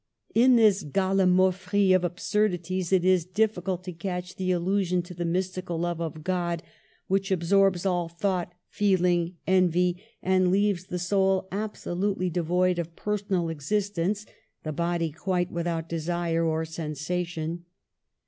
In this galHmaufry of absurdities it is difficult to catch the allusion to the mystical love of God which absorbs all thought, feeling, envy, and leaves the soul absolutely devoid of per sonal existence, the body quite without desire or sensation.